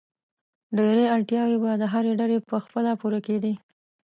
ډېری اړتیاوې به د هرې ډلې په خپله پوره کېدې.